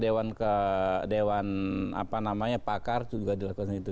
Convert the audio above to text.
dewan ke dewan apa namanya pakar juga dilakukan itu